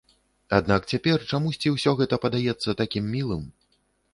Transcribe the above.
Аднак цяпер чамусьці ўсё гэта падаецца такім мілым.